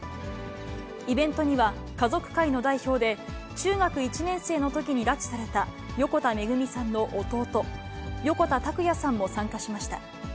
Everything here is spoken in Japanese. イベントには、家族会の代表で、中学１年生のときに拉致された横田めぐみさんの弟、横田拓也さんも参加しました。